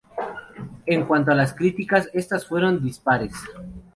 En cuanto a las críticas, estas fueron dispares.